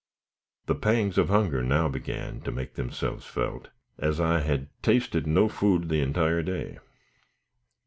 The pangs of hunger now began to make themselves felt, as I had tasted no food the entire day.